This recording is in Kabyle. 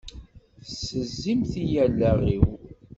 Tessezzimt-iyi allaɣ-iw!